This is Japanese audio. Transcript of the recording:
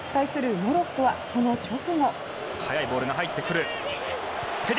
モロッコはその直後。